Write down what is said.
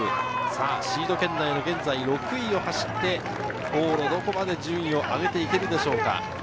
シード圏内の現在６位を走って往路、どこまで順位を上げていけるでしょうか？